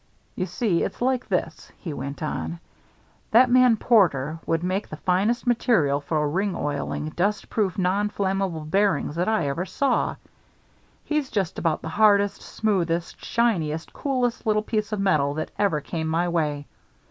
"You see, it's like this," he went on. "That man Porter would make the finest material for ring oiling, dust proof, non inflammable bearings that I ever saw. He's just about the hardest, smoothest, shiniest, coolest little piece of metal that ever came my way.